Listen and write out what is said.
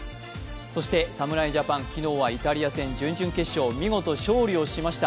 そして侍ジャパン、昨日はイタリア戦準々決勝見事勝利をしました。